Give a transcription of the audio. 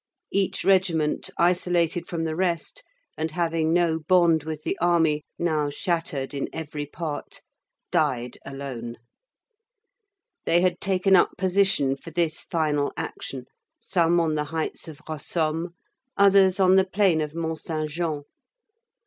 Each regiment, isolated from the rest, and having no bond with the army, now shattered in every part, died alone. They had taken up position for this final action, some on the heights of Rossomme, others on the plain of Mont Saint Jean.